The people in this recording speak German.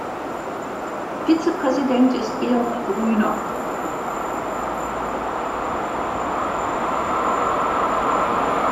Vizepräsident ist Georg Grüner.